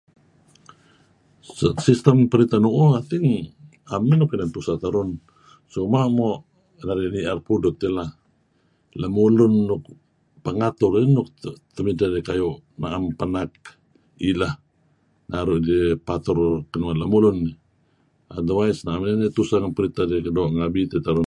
Sistem periteh nu'uh I think 'am inan tuseh tu'uh terun cuma' mo' narih ni'er pudut dih lah , ni'er pudut lemulun nuk kayu' peh ngatur idih lah nuk na'em penak ileh naru' dih patur kinuan lemulun eh otherwise na'em narih tusen ngen peritah doo' ngabi teh terun.